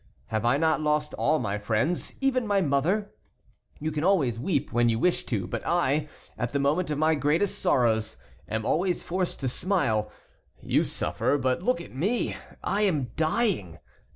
Have I not lost all my friends, even my mother? You can always weep when you wish to; but I, at the moment of my greatest sorrows, am always forced to smile. You suffer; but look at me! I am dying.